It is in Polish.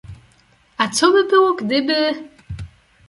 A co by było gdyby?